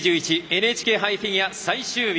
ＮＨＫ杯フィギュア最終日。